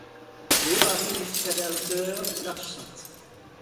L'eau arrive jusqu'à la hauteur de l'Arche Sainte.